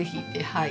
はい。